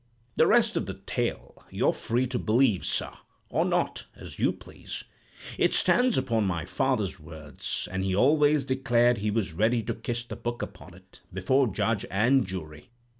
"The rest of the tale you're free to believe, sir, or not, as you please. It stands upon my father's words, and he always declared he was ready to kiss the Book upon it, before judge and jury.